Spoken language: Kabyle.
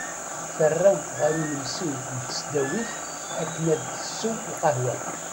Terra ɣer ulmessi n tesdawit akken ad tessew lqahwa.